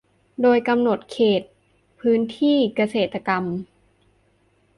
โดยกำหนดเขตพื้นที่เกษตรกรรม